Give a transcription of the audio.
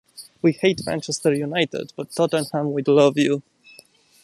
We hate Manchester United, but Tottenham we love you.